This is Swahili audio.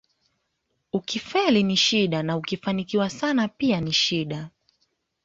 Ukifeli ni shida na ukifanikiwa sana pia ni shida